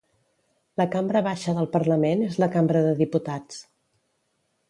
La cambra baixa del Parlament és la Cambra de Diputats.